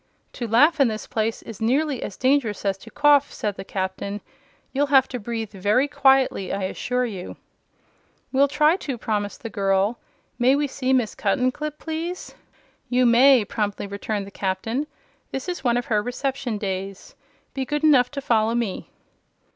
"To laugh in this place is nearly as dangerous as to cough," said the Captain. "You'll have to breathe very quietly, I assure you." "We'll try to," promised the girl. "May we see Miss Cuttenclip, please?" "You may," promptly returned the Captain. "This is one of her reception days. Be good enough to follow me."